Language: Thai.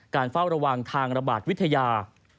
เฝ้าระวังทางระบาดวิทยา